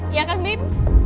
iya kan bim